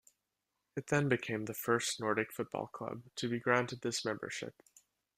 It then became the first nordic football club to be granted this membership.